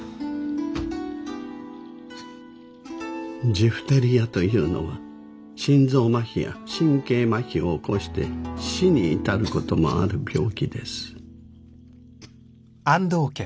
ジフテリアというのは心臓まひや神経まひを起こして死に至る事もある病気です。